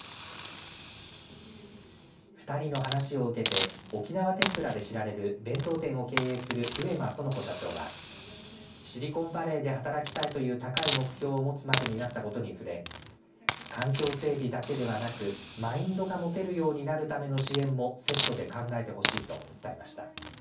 ２人の話を受けて沖縄天ぷらで知られる弁当店を経営する上間園子社長はシリコンバレーで働きたいという高い目標を持つまでになったことに触れ環境整備だけではなくマインドが持てるようになるための支援もセットで考えてほしいと訴えました。